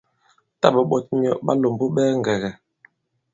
Tǎ ɓa ɓɔt myɔ ɓa lɔ̀mbu ɓɛɛ ŋgɛ̀gɛ̀.